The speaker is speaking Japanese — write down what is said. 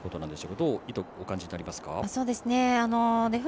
どう意図、お感じになりますか。